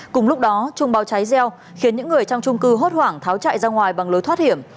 cùng lúc đó trung báo cháy gieo khiến những người trong trung cư hốt hoảng tháo chạy ra ngoài bằng lối thoát hiểm